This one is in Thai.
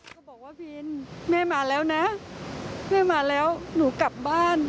เขาบอกว่าวินแม่มาแล้วนะแม่มาแล้วหนูกลับบ้าน